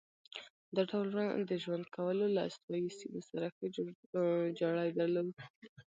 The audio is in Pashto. دا ډول د ژوند کولو له استوایي سیمو سره ښه جوړ جاړی درلود.